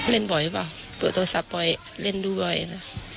เล่นบ่อยป่ะเปิดโทรศัพท์บ่อยเล่นดูบ่อยนะ